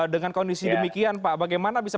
dengan kondisi demikian pak bagaimana bisa